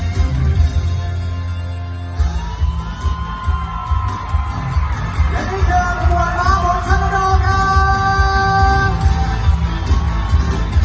สุดสึงของสุดท้ายสุดสึงของธนตรี